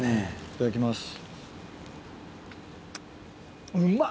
いただきます。